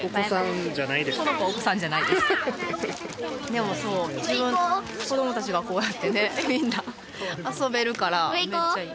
でもそう子どもたちがこうやってねみんな遊べるからめっちゃいい。